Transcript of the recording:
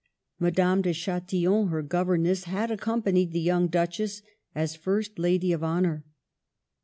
Madame de Chatillon, her governess, had accompanied the young Duchess as first Lady of Honor.